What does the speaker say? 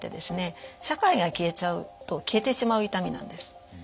社会が消えちゃうと消えてしまう痛みなんです。